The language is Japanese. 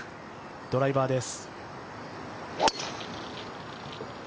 ドライバーです。